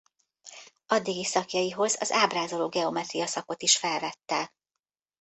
Addigi szakjaihoz az ábrázoló geometria szakot is felvette.